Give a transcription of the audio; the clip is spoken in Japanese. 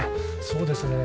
そうですね。